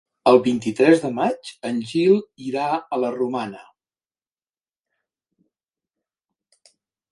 El vint-i-tres de maig en Gil irà a la Romana.